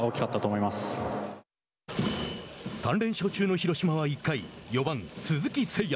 ３連勝中の広島は１回４番鈴木誠也。